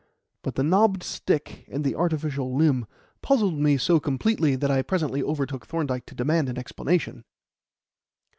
But the knobbed stick and the artificial limb puzzled me so completely that I presently overtook Thorndyke to demand an explanation.